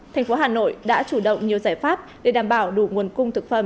thành phố hà nội đã chủ động nhiều giải pháp để đảm bảo đủ nguồn cung thực phẩm